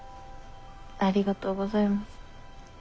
ありがとうございます。